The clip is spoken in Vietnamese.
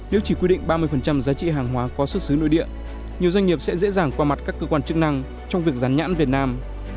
nếu chỉ quy định ba mươi giá trị hàng hóa có xuất xứ nội địa nhiều doanh nghiệp sẽ dễ dàng qua mặt các cơ quan chức năng trong việc rán nhãn việt nam